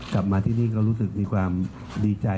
กลับมาที่นี่ก็รู้สึกมีความดีใจ